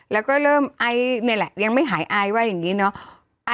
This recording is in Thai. แล้วก็เริ่มไอนี่แหละยังไม่หายอายว่าอย่างนี้เนาะ